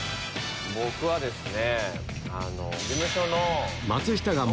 僕はですね。